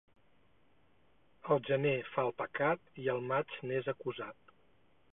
El gener fa el pecat i el maig n'és acusat.